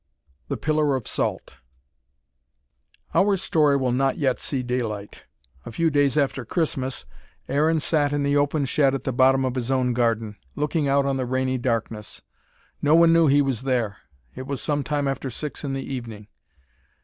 "THE PILLAR OF SALT" Our story will not yet see daylight. A few days after Christmas, Aaron sat in the open shed at the bottom of his own garden, looking out on the rainy darkness. No one knew he was there. It was some time after six in the evening.